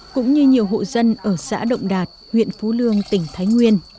cũng như nhiều hộ dân ở xã động đạt huyện phú lương tỉnh thái nguyên